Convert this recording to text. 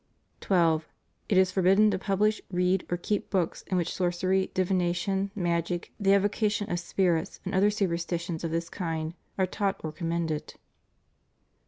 12. It is forbidden to publish, read, or keep books ja which sorcery, divination, magic, the evocation of spirits, and other superstitions of this kind are taught or com mended.